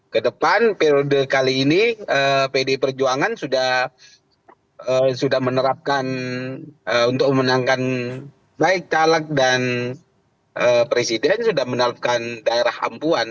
kedepan periode kali ini pdi perjuangan sudah menerapkan untuk memenangkan baik caleg dan presiden sudah menerapkan daerah ampuan